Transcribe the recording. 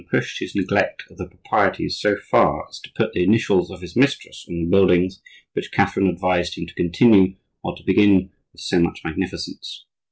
pushed his neglect of the proprieties so far as to put the initials of his mistress on the buildings which Catherine advised him to continue or to begin with so much magnificence.